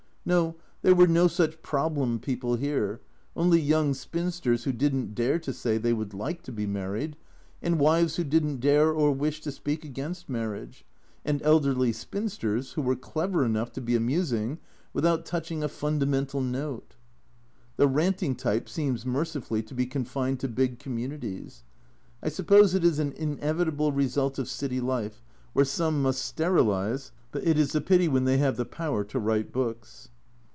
No, there were no such "problem" people here, only young spinsters who didn't dare to say they would like to be married, and wives who didn't dare or wish to speak against marriage, and elderly spinsters who were clever enough to be amusing without touching a funda mental note. The ranting type seems mercifully to be confined to big communities ; I suppose it is an inevitable result of city life, where some must sterilise, but it is a pity when they have the power to write books.